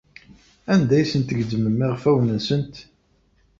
Anda ay asent-tgezmem iɣfawen-nsent?